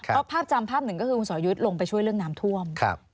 เพราะภาพจำภาพหนึ่งก็คือคุณสอยุทธ์ลงไปช่วยเรื่องน้ำท่วม